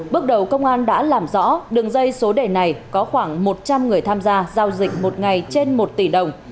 bước đầu công an đã làm rõ đường dây số đề này có khoảng một trăm linh người tham gia giao dịch một ngày trên một tỷ đồng